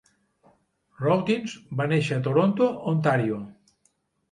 Rautins va néixer a Toronto, Ontario.